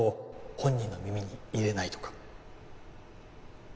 本人の耳に入れないとか